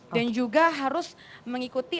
dan juga harus mengikuti